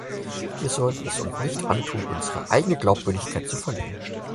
Wir sollten es uns nicht antun, unsere eigene Glaubwürdigkeit zu verlieren.